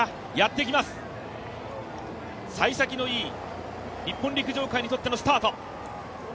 さい先のいい日本陸上界にとってのスタート。